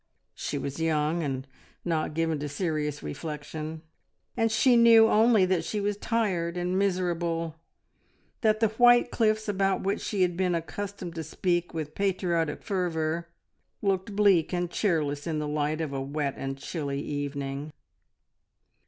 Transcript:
She was young and not given to serious reflection, and she knew only that she was tired and miserable, that the white cliffs about which she had been accustomed to speak with patriotic fervour, looked bleak and cheerless in the light of a wet and chilly evening.